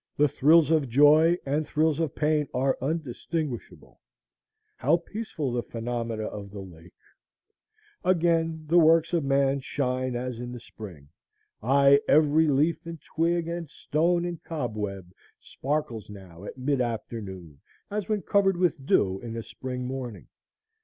The thrills of joy and thrills of pain are undistinguishable. How peaceful the phenomena of the lake! Again the works of man shine as in the spring. Ay, every leaf and twig and stone and cobweb sparkles now at mid afternoon as when covered with dew in a spring morning.